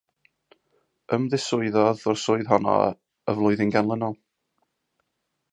Ymddiswyddodd o'r swydd honno y flwyddyn ganlynol.